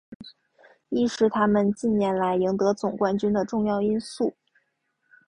亦是他们近年来赢得总冠军的重要因素。